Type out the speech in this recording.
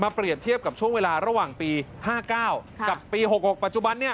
เปรียบเทียบกับช่วงเวลาระหว่างปี๕๙กับปี๖๖ปัจจุบันนี้